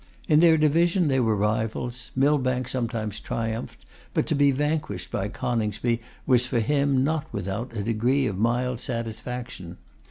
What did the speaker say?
In their division they were rivals; Millbank sometimes triumphed, but to be vanquished by Coningsby was for him not without a degree of mild satisfaction.